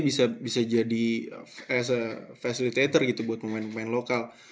bisa jadi facilitator gitu buat pemain pemain lokal